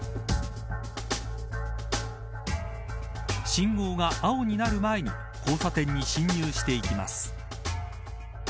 信号が青になる前に交差点に進入していきます。